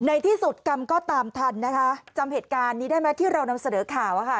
ในที่สุดกรรมก็ตามทันนะคะจำเหตุการณ์นี้ได้ไหมที่เรานำเสนอข่าว